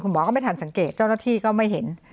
หมอก็ไม่ทันสังเกตเจ้าหน้าที่ก็ไม่เห็น